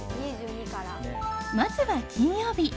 まずは、金曜日。